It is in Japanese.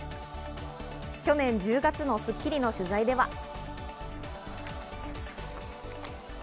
去年１０月の『スッキリ』の取材では。